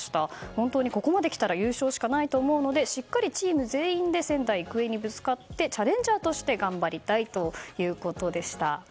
本当にここまで来たら優勝しかないと思うのでしっかりチーム全員で仙台育英にぶつかってチャレンジャーとして頑張りたいということでした。